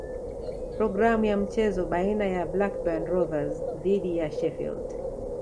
Programu ya mchezo baina ya Blackburn Rovers dhidi ya Sheffield